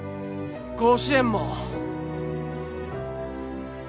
甲子園も。